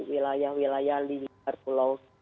wilayah wilayah di luar pulau